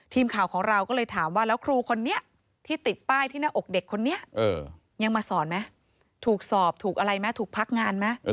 ทีมข่าวของเราก็เลยถามว่าแล้วครูคนนี้ที่ติดป้ายที่หน้าอกเด็กคนนี้ยังมาสอนไหมถูกสอบถูกอะไรไหมถูกพักงานไหม